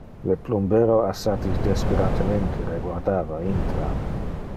Le plumbero assatis desperatemente reguardava intra.